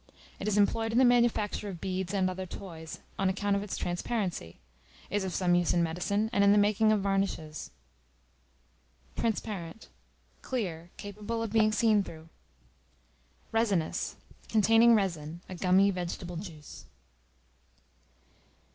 It is employed in the manufacture of beads and other toys, on account of its transparency; is of some use in medicine, and in the making of varnishes. Transparent, clear, capable of being seen through. Resinous, containing resin, a gummy vegetable juice.